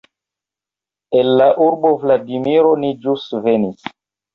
El la urbo Vladimiro ni ĵus venis!